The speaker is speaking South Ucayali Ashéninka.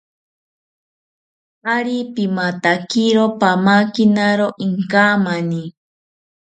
Ari pimatakiro pamakinawo inkamani